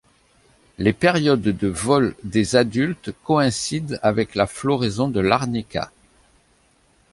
Les périodes de vol des adultes coïncident avec la floraison de l'arnica.